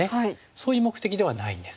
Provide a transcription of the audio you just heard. そういう目的ではないんです。